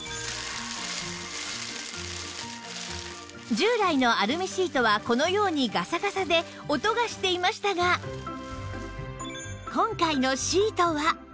従来のアルミシートはこのようにガサガサで音がしていましたが今回のシートは